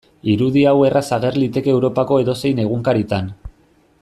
Irudi hau erraz ager liteke Europako edozein egunkaritan.